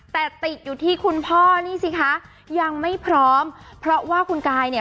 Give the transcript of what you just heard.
แต่ติดอยู่ที่คุณพ่อนี่สิคะยังไม่พร้อมเพราะว่าคุณกายเนี่ย